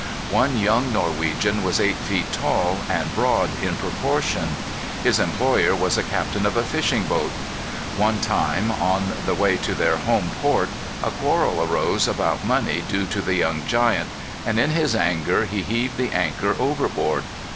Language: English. One young Norwegian was eight feet tall and broad in proportion. His employer was a captain of a fishing boat. One time, on the way to their home port, a quarrel arose about money due the young giant, and in his anger he heaved the anchor overboard.